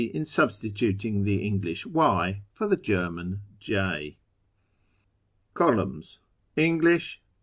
in substituting the English y for the German j} English.